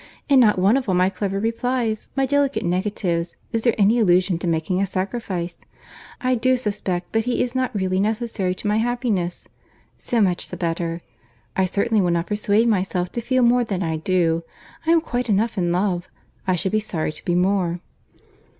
—"In not one of all my clever replies, my delicate negatives, is there any allusion to making a sacrifice. I do suspect that he is not really necessary to my happiness. So much the better. I certainly will not persuade myself to feel more than I do. I am quite enough in love. I should be sorry to be more."